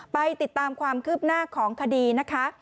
ไปติดตามความคืบหน้าของคดีนะคะ